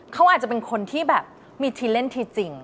เขาอาจจะเป็นคนที่แบบมีทีเล่นทีจริง